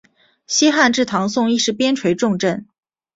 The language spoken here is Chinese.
西汉至唐宋亦是边睡重镇。